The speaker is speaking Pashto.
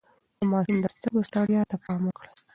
د ماشوم د سترګو ستړيا ته پام وکړئ.